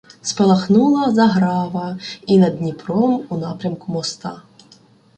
Спалахнула заграва і над Дніпром у напрямку моста.